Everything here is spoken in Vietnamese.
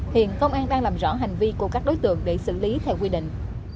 hiện công an đang làm rõ hành vi của các đối tượng để xử lý theo quy định